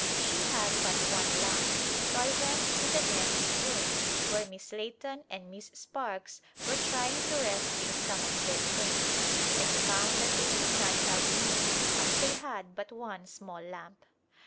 She had but one lamp so I went to the next room where Miss Lay ton and Miss Sparkes were trying to rescue some of their things, and found that they could not help me as they had but one small lamp.